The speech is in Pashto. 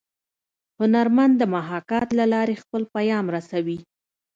هنرمن د محاکات له لارې خپل پیام رسوي